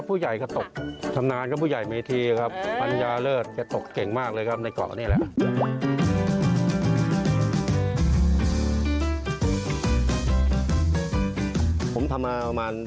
ผมทำมาประมาณ๓๖ปีแล้วครับ